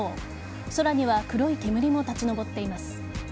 空には黒い煙も立ち上っています。